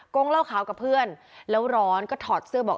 เหล้าขาวกับเพื่อนแล้วร้อนก็ถอดเสื้อบอก